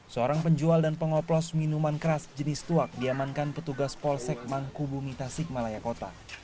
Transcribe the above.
seorang penjual dan pengoplos minuman keras jenis tuak diamankan petugas polsek mangkubumi tasik malaya kota